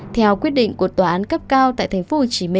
theo quyết định của tòa án cấp cao tại tp hcm